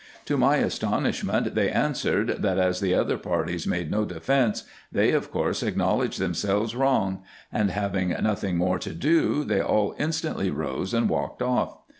To my astonishment they answered, that, as the other parties made no defence, they of course acknowledged themselves wrong; and, having nothing more to do, they all instantly rose and walked off.